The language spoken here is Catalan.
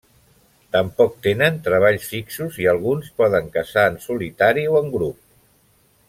Tampoc tenen treballs fixos i alguns poden caçar en solitari o en grup.